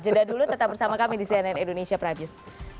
jeda dulu tetap bersama kami di cnn indonesia prebius